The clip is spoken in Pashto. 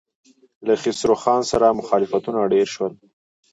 له خسرو خان سره مخالفتونه ډېر شول.